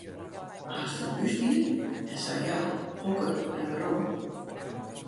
Hast in húsdier en sa ja, hokker en wêrom?